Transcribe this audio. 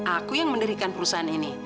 aku yang mendirikan perusahaan ini